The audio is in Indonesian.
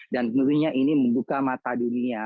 dan tentunya ini membuka mata dunia